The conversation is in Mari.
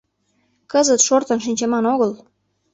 Кызыт шортын шинчыман огыл.